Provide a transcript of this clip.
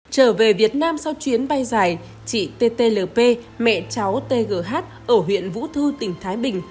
trở về việt nam sau chuyến bay dài chị ttlp mẹ cháu tgh ở huyện vũ thư tỉnh thái bình